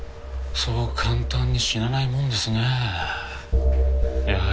そう簡単に死なないもんですねえ。